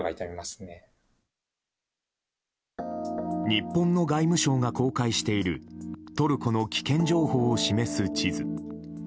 日本の外務省が公開しているトルコの危険情報を示す地図。